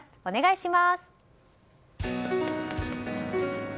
お願いします。